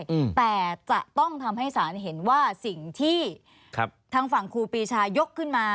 อืมแต่จะต้องทำให้สารเห็นว่าสิ่งที่ครับทางฝั่งครูปีชายกขึ้นมา